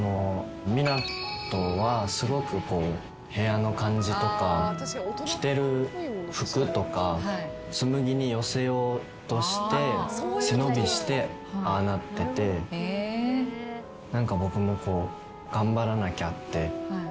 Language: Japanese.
湊斗はすごく部屋の感じとか着てる服とか紬に寄せようとして背伸びしてああなってて何か僕もこう。